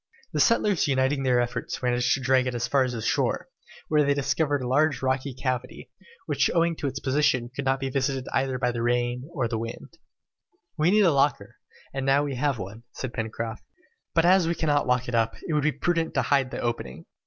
The settlers uniting their efforts managed to drag it as far as the shore, where they discovered a large rocky cavity, which owing to its position could not be visited either by the wind or rain. "We needed a locker, and now we have one," said Pencroft; "but as we cannot lock it up, it will be prudent to hide the opening.